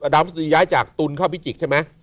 พฤษฎีย้ายจากตุลเข้าพิจิกษ์ใช่ไหม